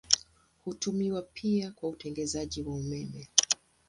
Hutumiwa pia kwa utengenezaji wa umeme.